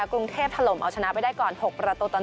กรุงเทพถล่มเอาชนะไปได้ก่อน๖ประตูต่อ๑